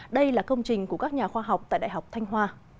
đây là công trình của các nhà khoa học tại đại học thanh hoa